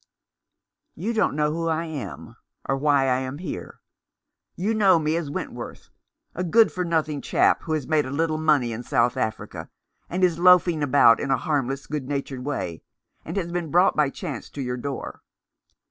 "You don't know who I am, or why I am here. You know me as Wentworth — a good for nothing chap who has made a little money in South Africa, and is loafing about in a harmless, good natured way, and has been brought by chance to your door.